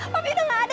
papi udah nggak ada